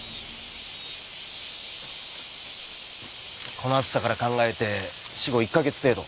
この暑さから考えて死後１か月程度。